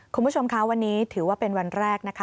คุณผู้ชมคะวันนี้ถือว่าเป็นวันแรกนะคะ